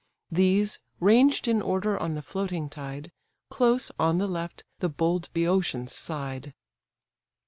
These, ranged in order on the floating tide, Close, on the left, the bold Bœotians' side.